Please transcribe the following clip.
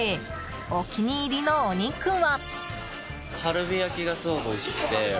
お気に入りのお肉は。